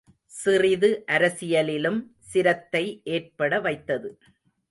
சிறிது அரசியலிலும் சிரத்தை ஏற்பட வைத்தது.